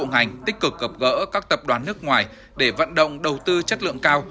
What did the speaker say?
các bộ ngành tích cực gập gỡ các tập đoàn nước ngoài để vận động đầu tư chất lượng cao